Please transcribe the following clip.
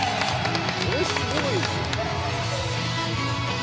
これすごいなあ。